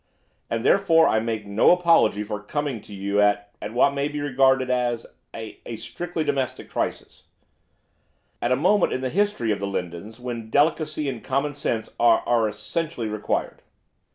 'And therefore I make no apology for coming to you at at what may be regarded as a a strictly domestic crisis; at a moment in the history of the Lindons when delicacy and common sense are are essentially required.